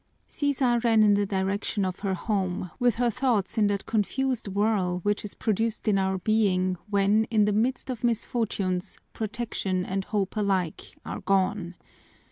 Sisa ran in the direction of her home with her thoughts in that confused whirl which is produced in our being when, in the midst of misfortunes, protection and hope alike are gone.